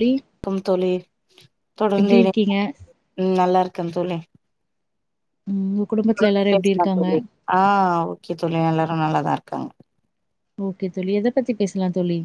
தோழி க்கம் தோழி எப்டி தொடர்ந்து இணைப் இருக்கீங்க? ம் நல்லா இருக்க தோழி ம் உங்க குடும்பத்துல தொடர்ந்து எல்லாரும் எப்டி பேசலா இருக்காங்க? தோழி ஆ ஓக்கே தோழி எல்லாரு நல்லாதா இருக்காங்க ஓகே தோழி எத பத்தி பேசலா தோழி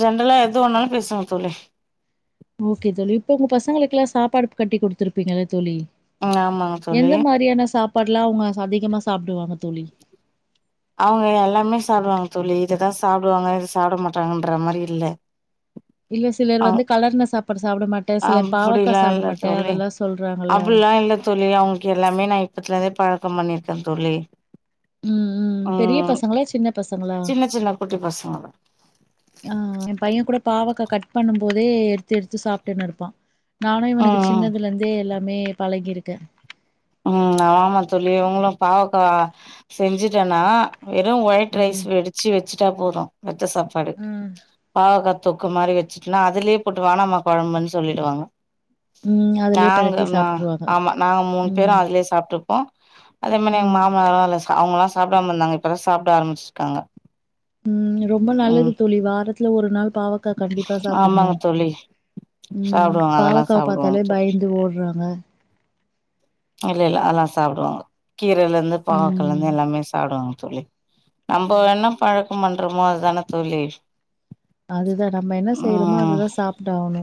ஜென்ரலா எது வேணாலு பேசலா தோழி ஓகே தோழி இப்ப உங்க பசங்களுக்கில்லா சாப்பாடு கட்டி குடுத்துருப்பீங்கல்ல தோழி ம் ஆமாங்க தோழி எந்த மாரியான சாப்பாடுல்லா அவங்க அதிகமா சாப்டுவாங்க தோழி அவங்க எல்லாமே சாப்டுவாங்க தோழி இததா சாப்டுவாங்க இத சாப்ட மாட்டாங்கன்ற மாதிரி இல்ல இல்ல சிலர் அவ் வந்து கலர்ன சாப்பாடு சாப்ட மாட் ட சிலர் பாவக்கா அப்டிலா சாப்ட இல்ல மாட்ட தோழி அதெல்லா சொல்றாங்கல்ல அப்டிலா இல்ல தோழி அவுங்களுக்கு எல்லாமே நா இப்பத்துல இருந்தே பழக்கம் பண்ணியிருக்கே தோழி ம் ம் பெரிய பசங்களா சின்ன பசங்களா சின்ன சின்ன குட்டி பசங்க ஆ எ பைய கூட பாவக்கா கட் பண்ணம் போதே எடுத் எடுத்து எடுத்து சாப்ட்டுன்னு இருப்பா நானு இவனுக்கு ம் சின்னதுல இருந்தே எல்லாமே பழகியிருக்க ம் ஆமா தோழி இவுங்களு பாவக்க செஞ்சுட்டன்னா வெறும் ஒயிட் ரைஸ் ம் வெடிச்சு வெச்சுட்டா போது மொத்த சாப்பாடு ம் பாவக்கா தொக்கு மாரி வெச்சுட்டன்னா அதுலயே போட்டு வேணாம்மா கொழம்புன்னு சொல்லிடுவாங்க ம் அதுலயே நாங்க பெரட்டி நா சாப்ட்டுருவாங்க. ஆமா நாங்க மூண் ம் பேரு சாப்டுருப்போ அதே மாரி எங்க ம் மாமனாரு அவங்களல்லா சாப்டாம இருந்தாங்க இப்பதா சாப்ட ஆரம்பிச்சிருக்காங்க ம் ரொம்ப நல்லது ம் தோழி வாரத்துல ஒரு நாள் பாவக்கா கண்டிப்பா சாப்பிட்ணு ஆமாங்க தோழி ம் சாப்டுவாங்க அதெல்லா பாவக்கா சாப்டுவாங்க பாத்தாலே தோழி பயந்து ஓட்றாங்க இல்ல இல்ல அதெல்லா சாப்டுவாங்க கீரையிலருந்து ம் பாவக்காலருந் எல்லாமே சாப்டுவாங்க தோழி நம்ம ம் என்ன பழக்கம் பண்றமோ அதுதான தோழி அதுதா நம்ம என்ன செய்யறமோ அதுதா சாப்ட்டாவணு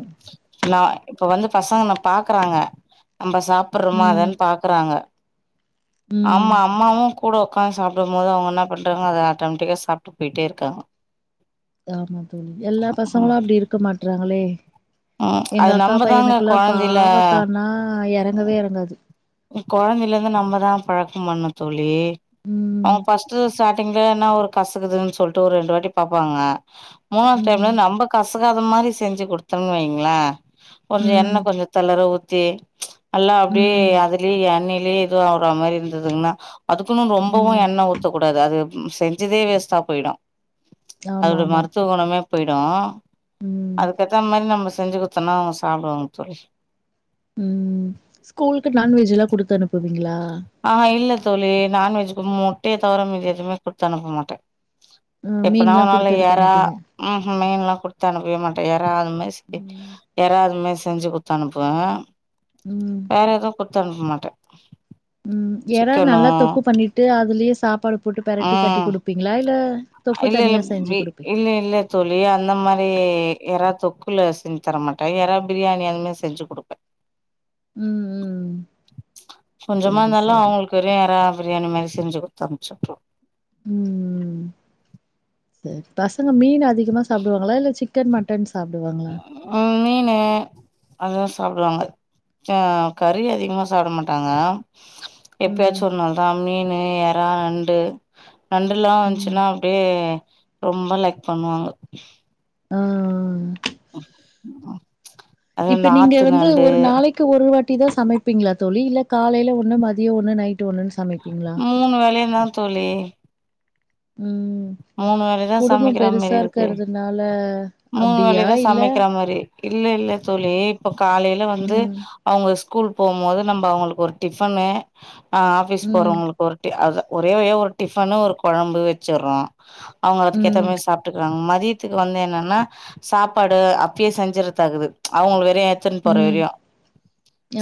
ஃபுல்லா இப்ப வந்து பசங்க ஒன்ன பாக்கறாங்க நம்ப சாப்பட்றமா ம் அதன்னு பாக்கறாங்க ம் நம்ம அம்மாவு கூட உக்காந்து சாப்படும் போது அவங்க என்ன பண்றாங்க அத ஆட்டோமேட்டிக்கா சாப்ட்டு போய்ட்டே இருக்காங்க ஆமா தோழி எல்லா பசங்களு ம் அப்டி இருக்க மாட்றாங்களே ம் எங்க அது அக்கா நம்மதாங்க பையனுக்குல்லா கொழந்தைல பாவக்கானா எறங்கவே எறங்காது கொழந்தையில இருந்து நம்மதா பழக்கம் பண்ணு தோழி ம் அவுங் ஃபஸ்ட்டு சாப் திங்கலனா ஒரு கசக்குதுன்னு சொல்ட்டு ஒரு ரெண்டு வாட்டி பாப்பாங்க மூணாவது ம் டைம்லந்து நம்ப கசக்காத மாரி செஞ்சு கொடுத்தம்னு வைங்கள கொஞ்ச எண்ண ம் கொஞ்சோ தளற ஊத்தி நல்லா அப்டியே ம் அதுலே எண்ணையிலே இதுவாவற மாரி இருந்ததுன்னா அதுக்குன்னு ரொம்பவு ம் எண்ண ஊத்தக்கூடாது அது செஞ்சதே வேஸ்ட்டா போய்டு அதோட ஆமாமா மருத்துவ குணமே போய்டு ம் அதுக்கேத்த மாரி நம்ம செஞ்சு சொன்னா அவுங்க சாப்டுவாங்க தோழி ம் ஸ்கூலுக்கு நான்வெஜ்ல்லா குடுத்து அனுப்புவீங்களா அஹ இல்ல தோழி நான்வெஜ்க்கு முட்டைய தவிர மீதி எதுவுமே குடுத்தனுப்ப மாட்ட அ எப்பனா மீன்லா ஒரு நாள்ல குடுத்து அனுப்ப எறா மாட்டீங்க ம்ஹும் மீன்ல்லா குடுத்து அனுப்பவே மாட்ட எறா அதுமாரி செஞ் ம் எறா அதுமாரி செஞ்சு குடுத் தனுப்புவ ம் வேற எதுவு குத்தனுப்பமாட்ட ம் எறா நல்லா தொக்கு பண்ணிட்டு அதுலயே சாப்பாடு போட்டு பெரட்டி கட்டி ம் குடுப்பீங்களா இல்ல தொக்கு இல்ல இல்ல தனியா செஞ்சு இ குடுப்பிங் இல்ல இல்ல தோழி அந்த மாரி எறா தொக்குல செஞ்சு தரமாட்ட எறா பிரியாணி அந்த மாரி செஞ்சு குடுப்ப ம் ம் கொஞ்சமா சரி இந்தாலு சரி அவுங்களுக்கு வெறு எறா பிரியாணி மாரி செஞ்சு குடுத்து அனுப்ச்சு உட்ருவ ம் சரி பசங்க மீன் அதிகமா சாப்புடுவாங்களா இல்ல சிக் சிக்கன் மட்டன் சாப்டுவாங்களா ம் மீனு அதுதா சாப்டுவாங்க ஆ கறி அதிகமா சாப்ட மாட்டாங்க ம் எப்பயாச்சு ஒருநாள் தா மீனு எறா நண் டு நண்டுல்லா ம் வந்துச்சுன்னா அப்டியே ரொம்ப லைக் பண்ணுவாங்கு ஆ அது இப்ப இந்த நீங்க ஆத்து வந்து நண்டு ஒரு நாளைக் க்கு ஒரு வாட்டி தா சமைப்பீங்ளா தோழி இல்ல காலைல ஒன்னு மதியம் ஒன்னு நைட்டு ஒன்னுன்னு சமைப்பீங்களா மூணு வேலையுந்தா தோழி ம் மூணு வேலையுதா குடும்பம் சமைக்கிற மாரி பெருசா இருக்கு இருக்கறதுனால மூணு அப்டியா வேலையுதா இல்ல சமைக்கிற மாரி இல்ல இல்ல தோழி இப்ப காலைல வந்து ம் அவுங்க ஸ்கூல் போம்மோது நம்ப அவுங்களுக்கு ஒரு டிஃபனு ஆ ஆஃபிஸ் ம் போறவங்களுக் ஒரு டி அதா ஒரே வழியா ஒரு டிஃபனு ஒரு கொழம்பு வெச்சிட்றோ அவுங்க அதுக்கு ஏத்த ம் மாரி சாப்டுக்குறாங்க மதிய துக்கு வந்து என்னன்னா சாப்பாடு அப்பயே செஞ்சர்தாக்குது அவுங்களுக்கு வேறியோ எடுத்துனு போற ம் வரையு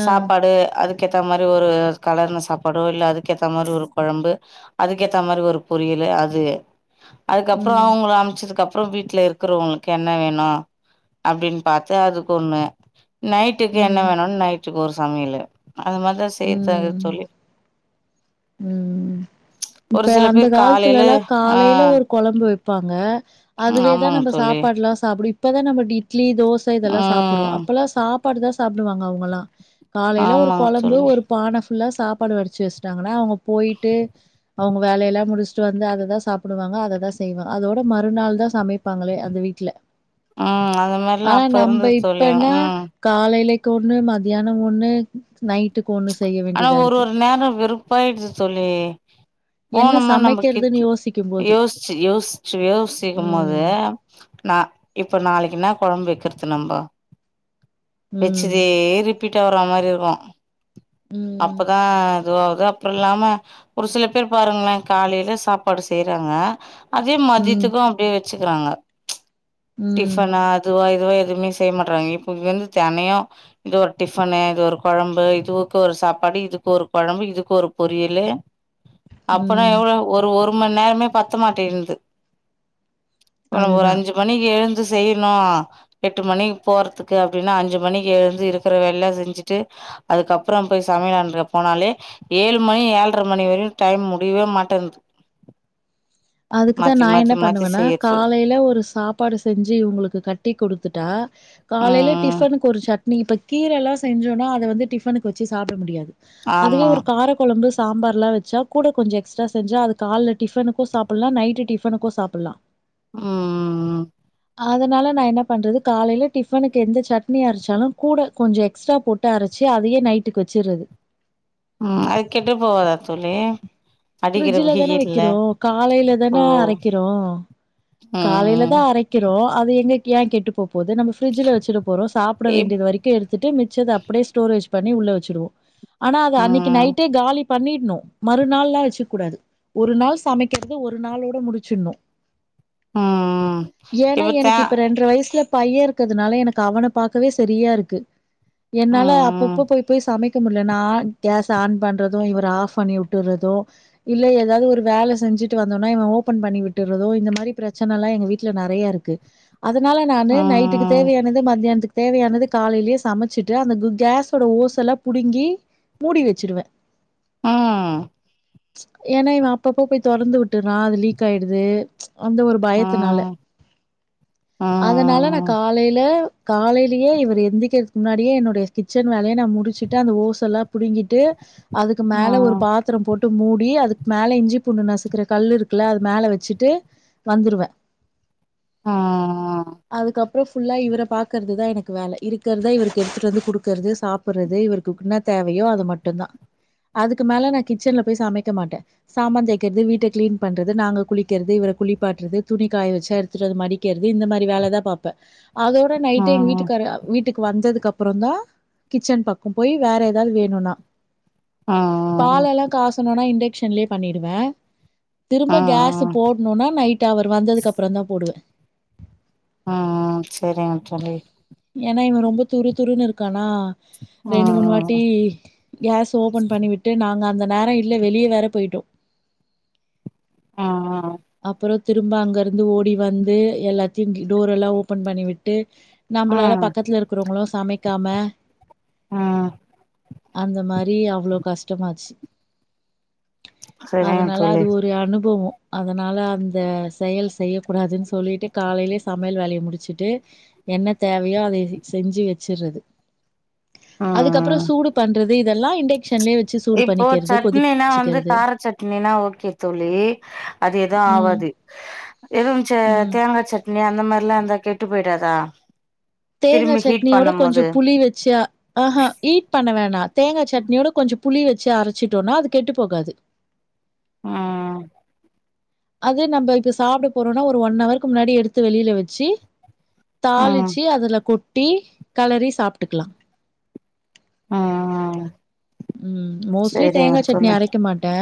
ஆ சாப்பாடு அதுக் அதுக் கேத்தா மாரி ஒரு கலர்ன சாப்பாடோ இல்ல அதுக்கேத்த மாரி ஒரு கொழம்பு அதுக்கேத்த மாரி ஒரு பொரியலு அது அதுக்கப்புறோ ம் அவுங்கள அமுச்சதுக்கு அப்புறோ வீட்ல இரு இருக்குறவங்களுக்கு என்ன வேணு அப்டின்னு பாத்து அதுக்கு ஒன்னு நைட்டுக்கு என்ன ம் வேணுன்னு நைட்டுக்கு ஒரு சமையலு அந்த மாரிதா செய்யர்தா ம் இருக்கு தோழி ம் ஒரு இப்ப சில அந்த பேர் காலத்துல காலையில எல்லா ஆ காலைல ஒரு கொழம்பு வெப்பாங்க அதுவேதா ஆமாங்க நம்ம தோழி சாப்பாடுல்லா சாப்புடு இப்பதா நம்ம இட்லி தோச இதெல்லா சாப்புட்றோ ம் அப்பெல்லா சாப் சாப்பாடுதா சாப்புடுவாங்க அவுங்கல்லா காலைல ஒரு ஆமாங்க கொழம்பு தோழி ஒரு பான ஃபுல்லா சாப்பாடு வடிச்சு வெச்சுட்டாங்கன்னா அவுங்க போயிட்டு அவுங்க வேலையெல்லா முடிச்சுட்டு வந்து அத தா சாப்புடுவாங்க அததா செய்வே அதோட மறுநாள் தா சமைப்பாங்களே அந்த வீட்ல ம் அந்த மாரிலா ஆனா அப்ப நம்ப இருந்தது தோழி இப்பன்னா ம் காலையிலக்கு ஒன்னு மத்தியானோ ஒன்னு நைட்டுக்கு ஒன்னு செய்ய ஆனா வேண்டியதா ஒரு இருக்கு ஒரு நேரோ வெறும் போயிட்சி தோழி என்ன போனமா நம்ம சமைக்கிறதுன்னு கிட் யோசிக்கும்போது. யோசிச்சு யோசிச்சு யோசிக்கும்போது ம். நா இப்ப நாளைக்கு என்னா கொழம்பு வெக்கிற்து நம்போ ம். வெச்சுதே ரிப்பீட் ஆவுற மாரி இருக்கு ம். அப்பதா இதோ கப்புறலாமா ஒரு சில பேர் பாருங்ளே காலைல சாப்பாடு செய்றாங்க அதே ம். மதியத்துக்கு அப்டியே வெச்சுக்கிறாங்க ம். டிஃபனா அதுவா இதுவா எதுவுமே செய்ய மாட்டுறாங்க இப்ப வந்து தெனையு இது ஒரு டிஃபன்னு இது ஒரு கொழம்பு இதுக்கு ஒரு சாப் படிக்கிறதுக்கு ஒரு குழம்பு இதுக்கு ஒரு பொரியலு அப்பனா ம். எவ்ளோ ஒரு ஒரு மணி நேரமே பத்த மாட்டேன்து இப்ப நமக்கு ஒரு அதுதான். அஞ்சு பணிக்கு எழுந்து செய்யணு எட்டு மணிக்கு போறதுக்கு அப்டின்னா அஞ்சு மணிக்கு எழுந்து இருக்கற வேல எல்லா செஞ்சுட்டு அதுக்கப்புறம் போய் சமையலாண்ட போனாலே ஏழு மணி ஏல்ர மணி வரையு டைம் முடியவே மாட்டேன்து அதுக்குதா மாத்தி நா என்ன மாத்தி மாத்தி பண்ணுவேன்னா செய்யறது காலையில ஒரு சாப்பாடு செஞ்சு இவங்களுக்கு கட்டி குடுத்துட்டா காலையில ம் டிஃபனுக் க்கு ஒரு சட்னி இப்ப கீரல்லா செஞ்சோனா அத வந்து டிஃபனுக்கு வெச்சு சாப்பட முடியாது அதுவே ஆமா ஒரு காரக் கொழம்பு சாம்பார்லா வெச்சா கூட கொஞ்சோ எக்ஸ்ட்ரா செஞ்சா அது கால்ல டிஃபனுக்கு சாப் சப்படலா நைட்டு டிஃபனுக்கு சாப்பிடலா ம் அதனால நா என்ன பண்ணுறது காலையில் டிஃபனுக்கு எந்த சட்னியரச்சாலு கூட கொஞ்சு எக்ஸ்ட்ரா போட்டு டு அரைச்சு அதயே நைட்டுக்கு வச்சறது ம் அது கெட்டு போவாதா தோளி அடிக்கிற ஃப்ரிட்ஜில தானே வெயில்ல வைக்கிறோம். காலையில ஓ தானே அரைக்கிறோம். காலையில ம் தா அரைக்கறோ அது எங்க ஏ கெட்டு போ போது நம்ம ஃபிரிட்ஜில வச்சுர போறோ சாப்பிட இப் வேண்டியது வரைக்கு எடுத்துட்டு மிச்சத அப்படியே ஸ்டோரேஜ் பண்ணி உள்ள வச்சுடுவோ ஆனா அது அன்னைக்கு ம் நைட்டே காலி பண்ணிடணு மறுநாள்ல்லா வச்சிக்க கூடாது ஒரு நாள் சமைக்கிறது ஒரு நாளோட முடிச்சிடணு ம் ம் ஏன்னா எனக்கு இப்ப ரெண்ர வயசுல பையன் இருக்கிறதுனால எனக்கு அவன பாக்கவே சரியா இருக்கு என்னால ம் அப்பப்போ போய் போய் சமைக்க முடியல நா ஆ கேஸ் ஆன் பண்றது இவரு ஆஃப் பண்ணி விட்டுறதும் இல்ல ஏதாவது ஒரு வேலை செஞ்சுட்டு வந்தோம்னா இவ ஓபன் பண்ணி விட்டுறதோ இந்த மாரி பிரச் ச்சனல்லா எங்க வீட்டுல நறைய இருக்கு அதனால நானு நைட்டுக்கு ம் தேவையானது மத்தியானத்துக்கு தேவையானது காலையிலயே சமைச்சிட்டு அந்த கேஸோட ஓசல்லா புடுங்கி மூடி வெச்சிடுவே ஆ ம்ச் ஏன்னா இவ அப்பப்பா போய் தொறந்து விட்டுரா அது லீக் ஆயிடுது ம்ச் அந்த ம் பயத்துனால ம் அதனால நா ம் காலையில காலையிலேயே இவர் எந்திக்கிறதுக்கு முன்னாடியே என்னுடைய கிச்சன் வேலைய நா முடிச்சுட்டு அந்த ஓசேல்லா புடுங்கிட்டு அதுக்கு ம் மேல ஒரு பாத் த்திரம் போட்டு மூடி அதுக்கு மேலே இஞ்சி பூண்டு நசுக்கிற கல்லு இருக்குல அது மேல வெச்சுட்டு வந்துருவே ம் அதுக்கப் அப்புறோ ஃபுல்லா இவர பாக்கறது தா எனக்கு வேல இருக்கரத இவருக்கு எடுத்துட்டு வந்து குடுக்குறது சாப்படுறது இவரு துக்குனா தேவையோ அது மட்டும்தா அதுக்கு மேல நா கிச்சன்ல போய் சமைக்க மாட்டே சாமான் தேக்கிறது வீட்ட கிளீன் பண்றது நாங்க குளிக்கிறது இவர குளிப் பாட்டுறது துணி காய வச்சா எடுத்துட்டு வந்து மடிக்கிறது இந்த மாரி வேலதா பாப்பே அதோட நைட்டு எங்க ம் வீட்டுக்காரு வீட்டுக்கு வந்ததுக்கு அப்புறோ தா கிச்சன் பக்கம் போய் வேற ஏதாவது வேணுனா ம் பாலெல்லா காசணுனா இண்டக்க்ஷன்லயே பண்ணிடுவே திரும்ப கேஸ்சு ம் போடணுனா நைட்டு அவரு வந்ததுக்கு அப்புறோந்தா போடுவே ஆ ஆ செரிங்க தோளி ஏன்னா இவ ரொம்ப துரு துருன்னு இருக்கானா ரெண்டு மூணு வாட்டி ம் கேஸ் ஓபன் பண்ணிவிட்டு நாங்க அந்த நேரோ இல்ல வெளிய வேற போயிட்டோ ஆ ஆ அப்புறோ திரும்ப அங்க இருந்து ஓடி வந்து எல்லாத்தையு டோரெல்லா ஓபன் பண்ணி விட்டு நம்மளால ம் பக்கத்துல இருக்கிறவங்களு சமைக்காம ம் அந்த மாரி அவ்வளோ கஷ்டமாச்சி சரிங்க அதனால அது தோழி ஒரு அனுபவோ அதனா அந்த செயல் செய்யக்கூடாதுன்னு சொல்லிட்டு காலைலேயே சமையல் வேலைய முடிச்சுட்டு என்ன தேவயோ அதய செஞ்சு வெச்சிறது அதுக்கப்புறோ ம் சூடு பண்றது இதெல்லா இண்டெக்க்ஷன்லயே வெச்சு சூடு பண்ணிக்கிறது கொதிச்சுக்கிறது இல்லேன்னா ஓக்கே தோழி அது எது ம். ஆவாது எது மிச்ச ம். தேங்காசட்னி அந்த மாரி எல்லா இருந்தா கெட்டு போயிடாதா தேங்கா திரும்பி ஹீட் சட்னியோட பண்ணும் கொஞ்சு போது புளி வச்சா ஆ ஆ ஈட் பண்ண வேணா தேங்கா சட்னியோட கொஞ்சு புளி வச்சு அரைச்சிட்டோன்னா அது கெட்டு போகாது ஆ அது நம்ம இப்ப சாப்ட போறோனா ஒரு ஒன் ஹவருக்கு முன்னாடி எடுத்து வெளில வச்சு ம் தாளிச்சு அதுல கொட்டி கெளறி சாப்டுக்கலா ம் ம் ம் மோஸ்ட்லி தேங்கா சட்னி தோழி அரைக்க மாட்ட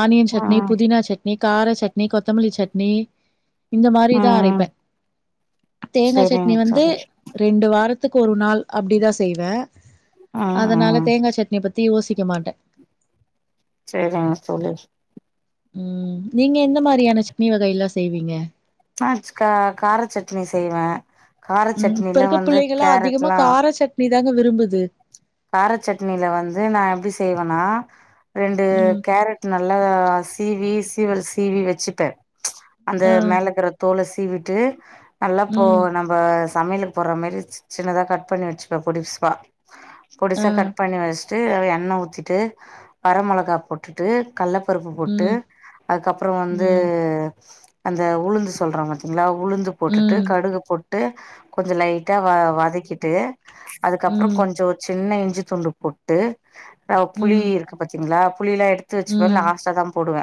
ஆனியன் சட்னி ம் புதினா சட்னி கார சட்னி கொத்தமல்லி சட்னி இந்த மாரிதா ம் அரைப்ப தேங்கா சட்னி சரிங்க வந்து தோழி ரெண்டு வாரத்துக்கு ஒரு நாள் அப்டி தா செய்வே ம் ம் அதனால தேங்கா சட் தி யோசிக்க மாட்ட செரிதா தோழி ம் நீங்க எந்த மாரியான சட்னி வகைலா செய்வீங்க ஆ ச் கா கார சட்னி செய்வ ம் இப்ப இருக்க பிள்ளைகளா அதிகமா கேரட்லா கார சட்னி தாங்க விரும்புது கார சட்னில வந்து நா எப்டி செய்வனா ரெண்டு ம், கேரட் நல்லா சீவி சீவல் சீவி வச்சுப்ப அந்த ஆ, மேலக்கர தோல சீவிட்டு நல்லா போ ம், நம் சமையலக்கு போட்ற மாரி சின்னதாக கட் பண்ணி வச்சுப்ப பொடிஸா ஆ, பொடிசா கட் பண்ணி வச்ட்டு எண்ணெ ஊத்திட்டு வர மொளகா போட்டுட்டு கள்ளப்பருப்பு போட்டு ம், அதுக்கப்பற வந்து ம், அந்த உளுந்து சொல்ற பாத்தீங்ளா உளுந்து போட்டுட்டு ம், கடுக போட்டு கொஞ்சோ லைட்டா வ வதக்கிட்டு அதுக்கப்பறோ ம், கொஞ்சோ சின்ன இஞ்சி துண்டு போட்டு அ புளி ம், இருக்கு பாத்தீங்களா புளிலா எடுத் து வச்சுப்பே ம், லாஸ்டா தா போடுவ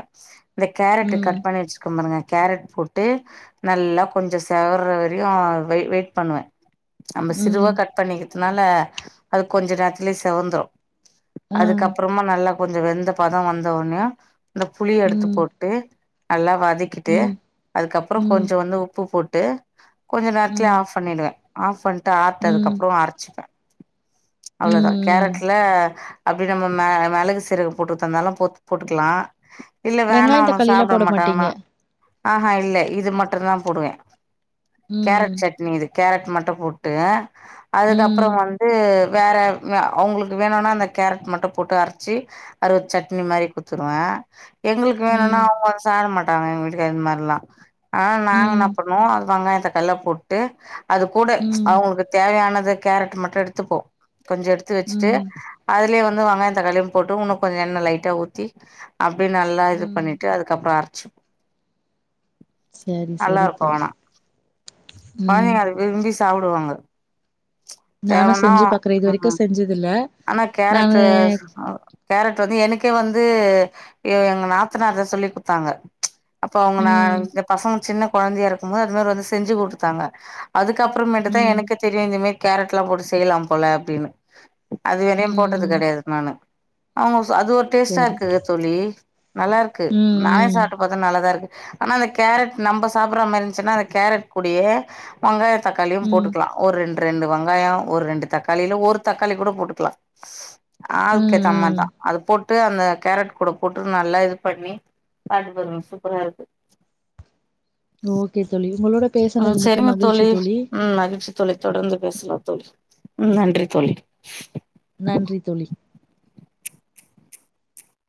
இந்த கேரட்டு ம், கட் பண்ணி வச்சுருக்கோ பாருங்க கேரட் போட்டு நல்லா கொஞ்சோ செவர்ற வரையு வெய் வெயிட் பண்ணுவ நம்ம சிறுவ ம், கட் பண்ணிக்கிறதுனால அது கொஞ்ச நேரத்திலயே செவந்துரு ஆ, அதுக்கப்பறமா நல்லா கொஞ்ச வெந்த பதம் வந்தோனே இந்த புளிய எடுத்து ம், போட் டு நல்லா வதக்கிட்டு ம், அதுக்கப்பறோ ம், கொஞ்சோ வந்து உப்பு போட்டு கொஞ்ச நேரத்துலயே ம், ஆஃப் பண்ணிடுவ ஆஃப் பண்ணிட்டு ஆர்டதுக்கு ம், அப்பறோ அரைச்சிப்ப அவ்ளோதா ம். கேரட்ல அப்டியே நம்ம மெ மெளகு சீரக போட்ரதுனாலு போ போட்டுக்லா இல்ல வேணா வெங்காயம், அவனுக தக்காளில்லா சாப்ட போட மாட்டீங்க? மாட்டாங்கனா ஆனா இல்ல இது மட்டுந்தா போடுவே ம், கேரட் சட்னி இது கேரட் மட்டு போட்டு அதுக்கப்பறோ ம், வந் து வேற அவங்களுக்கு வேணுனா அந்த கேரட் மட்டு போட்டு அரைச்சி அரு வ சட்னி மாரி குத்துருவ எங்களுக்கு வேணுனா ம், அவங்க சாப்ட மாட்டாங்க எங்க வீட்டுக்காரர் இந்த மாரிலா ஆ நாங்க என்ன ம், பண்ணுவோ வெங்காய தக்காளிலா போட்டு அது கூட ம், அவங்களுக்கு தேவையானது கேரட் மட்டு எடுத்துப்போ கொஞ்சோ எடுத்து வச்ட்டு ம், அதுலயே வந்து வங்காய தக்காளியு போட்டு உன்னு கொஞ்சோ எண்ணெ லைட்டா ஊத்தி அப்படி நல்லா இது ம். பண்ணிட்டு அதுக்கப்பற அரைச்சிப்போ சரி, சரி நல்லாருக்கும் தோழி. ஆனா ம். கொழந்தைங்க விரும்பி சாப்டுவாங்க நானு தேவைன்னா செஞ்சு பாக்குறேன். இது வரைக்கு ம் செஞ்சதில்ல. ஆனா நானு கேரட்டு் கேரட் வந்து எனக்கே வந்து எங்க நாத்தனார்தா சொல்லி குத்தாங்க அப்ப அவுங்க நா ம் இந்த பசங்க சின்ன குழந்தையா இருக்கும் போது அது மாரி வந்து செஞ்சு குடுத்தாங்க அதுக்கப்புறமேட்டு தா ம் எனக்கு தெரியு இந்தமேரி கேரட்ல்லாம் போட்டு செய்யலாம் போல அப்டின்னு அது வெரையு போட்டது ம் கெடையாது நானு அவுங்க ச அது ஒரு டேஸ்டா சரி இருக்குது தோழி நல்லா இருக்கு ம் நானே ம் சாப் ட்டுபாத்த நல்லதா இருக்கு ஆனா அந்த கேரட் நம்ப சாப்பட்ற மாரிஇருந்துச்சுன்னா அந்த கேரட் கூடயே வங்காய தக்காளியு ம் போட்டுக்கலா ஒரு ரெண்டு ரெண்டு வங் காயோ ஒரு ரெண்டு தக்காளியில ஒரு தக்காளி கூட போட்டுக்கலா ம் ஆளுக்கேத்த மாரி ம் தா அது போட்டு அந்த கேரட் கூட போட்டு நல்லா இது பண்ணி சாப்ட்டு பாருங்க சூப்பரா இருக்கு ஓகே தோழி உங்களோட ம் பேசுனது மிக்க சரிங்க மகிழ்ச்சி தோழி ம் மகிழ்ச்சி தோழி தொடர்ந்து பேசலா தோழி ம் நன்றி தோழி நன்றி தோழி